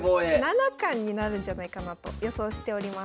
七冠になるんじゃないかなと予想しております。